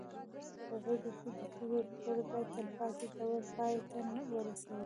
په بدو کي د ښځو ورکول باید تلپاتي ډول پای ته ورسېږي.